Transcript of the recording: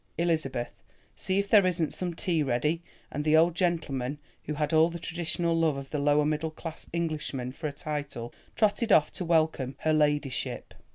Elizabeth, see if there isn't some tea ready," and the old gentleman, who had all the traditional love of the lower middle class Englishman for a title, trotted off to welcome "her ladyship."